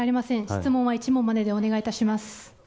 質問は１問まででお願いいたします。